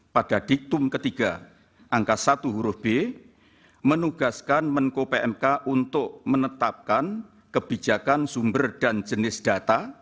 pada diktum ketiga angka satu huruf b menugaskan menko pmk untuk menetapkan kebijakan sumber dan jenis data